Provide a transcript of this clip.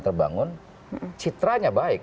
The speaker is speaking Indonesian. terbangun citranya baik